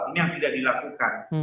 ini yang tidak dilakukan